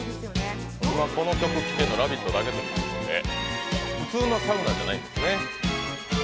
今、この曲聴けるのは「ラヴィット！」だけということで普通のサウナじゃないんですね。